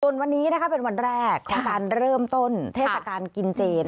ส่วนวันนี้เป็นวันแรกของการเริ่มต้นเทศกาลกินเจ